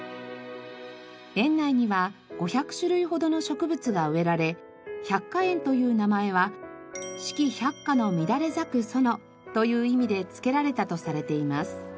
園内には５００種類ほどの植物が植えられ「百花園」という名前は「四季百花の乱れ咲く園」という意味で付けられたとされています。